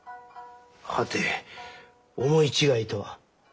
はて思い違いとは？